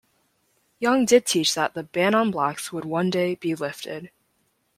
Young did teach that the ban on blacks would one day be lifted.